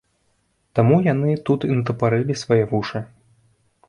Таму яны тут і натапырылі свае вушы.